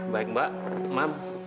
baik mbak ma'am